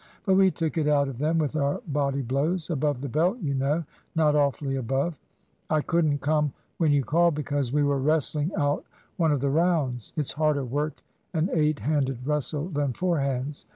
But we took it out of them with our body blows above the belt, you know not awfully above. I couldn't come when you called, because we were wrestling out one of the rounds. It's harder work an eight handed wrestle than four hands.